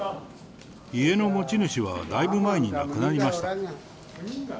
家の持ち主は、だいぶ前に亡くなりました。